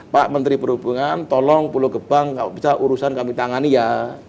pak menteri perhubungan tolong pulau gebang kalau bisa urusan kami tangani ya